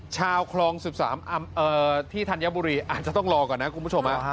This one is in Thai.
ชาวคลอง๑๓ที่ธัญบุรีอาจจะต้องรอก่อนนะคุณผู้ชม